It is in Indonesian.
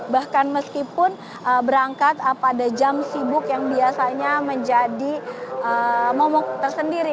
bahkan meskipun berangkat pada jam sibuk yang biasanya menjadi momok tersendiri